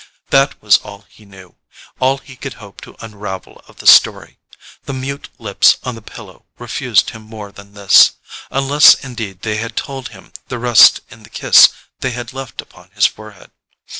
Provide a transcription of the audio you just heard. That was all he knew—all he could hope to unravel of the story. The mute lips on the pillow refused him more than this—unless indeed they had told him the rest in the kiss they had left upon his forehead.